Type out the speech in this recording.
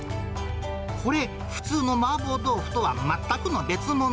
これ、普通の麻婆豆腐とは全くの別物。